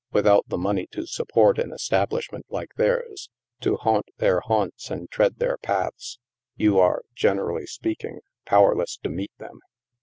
Without the money to support an establishment like theirs, to haunt their haunts and tread their paths, you are, generally speaking, powerless to meet them.